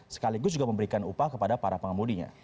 sekaligus juga memberikan upah kepada para pengemudinya